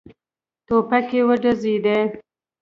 ټوپکې وډزېدې.